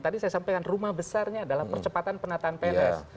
tadi saya sampaikan rumah besarnya adalah percepatan penataan pns